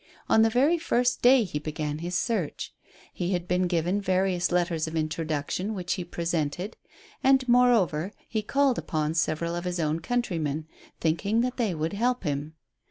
On the very first day he began his search. He had been given various letters of introduction, which he presented ; and, moreover, he called upon several of his own country men, thinking that they would help him.